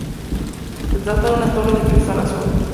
Se trata de una torre de cristal azul.